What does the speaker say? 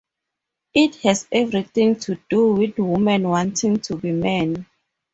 It has everything to do with women wanting to be men.